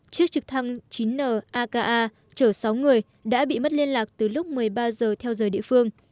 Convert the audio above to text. chiếc trực thăng chín naka trở sáu người đã bị mất liên lạc từ lúc một mươi ba giờ theo giờ địa phương